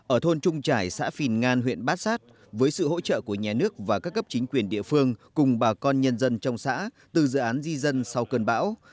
ở thôn trung trải xã phìn ngan huyện bát sát với sự hỗ trợ của nhà nước và các cấp chính quyền địa phương cùng bà con nhân dân trong xã từ dự án di dân sau cơn bão